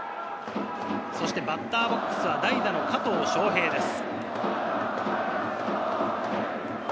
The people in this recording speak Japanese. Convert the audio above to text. そして、バッターボックスは代打・加藤翔平です。